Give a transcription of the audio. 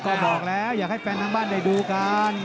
ก็บอกแล้วอยากให้แฟนทางบ้านได้ดูกัน